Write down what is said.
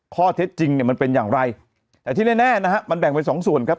ข้อเท็จจริงเนี่ยมันเป็นอย่างไรแต่ที่แน่นะฮะมันแบ่งเป็นสองส่วนครับ